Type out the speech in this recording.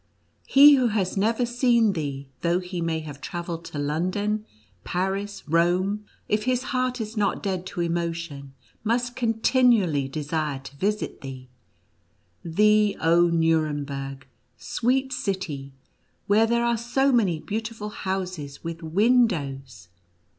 He who has never seen thee, though he may have travelled to London, Paris, Rome, if his heart is not dead to emotion, must continually desire to visit thee — thee, oh Nuremberg, sweet city, where there are so many beautiful houses with windows!"